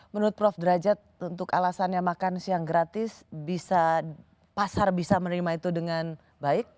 menurut prof derajat untuk alasannya makan siang gratis bisa pasar bisa menerima itu dengan baik